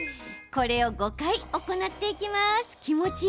これを５回、行っていきます。